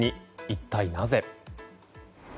一体なぜ？